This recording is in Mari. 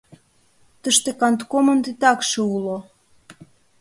Тыште канткомын титакше уло...